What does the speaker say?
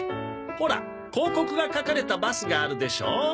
ほら広告が描かれたバスがあるでしょう。